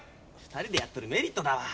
２人でやっとるメリットだわ。